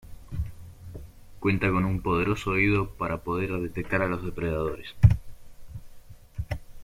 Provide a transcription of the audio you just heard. Cuenta con un poderoso oído para poder detectar a los depredadores.